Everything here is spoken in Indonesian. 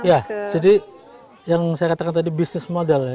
ya jadi yang saya katakan tadi bisnis model ya